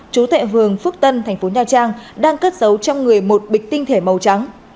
chú thệ phường phước tân thành phố nha trang đang cất giấu trong người một bịch tinh thể màu trắng